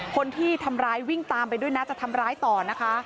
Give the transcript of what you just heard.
คนที่ทำร้ายวิ่งตามไปด้วยนะจะทำร้ายต่อนะคะ